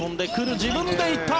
自分で行った。